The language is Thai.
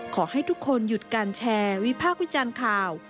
ขอให้ทุกคนหยุดการแชร์วิพากษ์วิจารณ์ข่าว